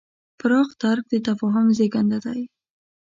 پراخ درک د تفاهم زېږنده دی.